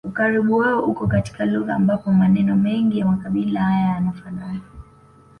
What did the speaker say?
Ukaribu wao uko katika lugha ambapo maneno mengi ya makabila haya yanafanana